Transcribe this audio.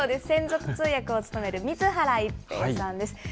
専属通訳を務める水原一平さんです。